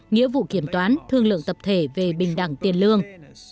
nghĩa vụ kiểm toán thương lượng tập thể về bình đẳng tiền lương